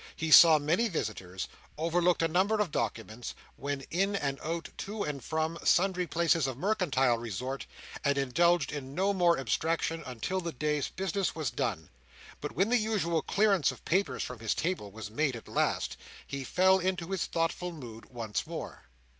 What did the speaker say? He saw many visitors; overlooked a number of documents; went in and out, to and from, sundry places of mercantile resort; and indulged in no more abstraction until the day's business was done. But, when the usual clearance of papers from his table was made at last, he fell into his thoughtful mood once more.